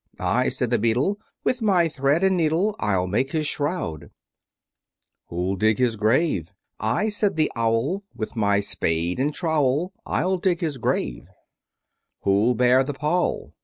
I, said the Beetle, With my thread and needle, I'll make his shroud. Who'll dig his grave? I, said the Owl, With my spade and trowel, I'll dig his grave. Who'll bear the pall?